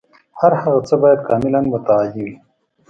هر هغه څه باید کاملاً متعالي وي.